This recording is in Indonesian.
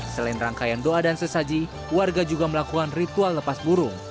selain rangkaian doa dan sesaji warga juga melakukan ritual lepas burung